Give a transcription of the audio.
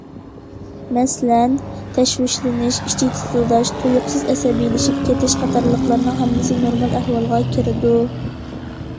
مەسىلەن: تەشۋىشلىنىش، ئىچى تىتىلداش، تۇيۇقسىز ئەسەبىيلىشىپ كېتىش قاتارلىقلارنىڭ ھەممىسى نورمال ئەھۋالغا كىرىدۇ.